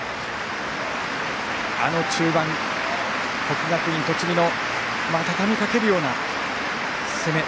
あの中盤、国学院栃木のたたみかけるような攻め。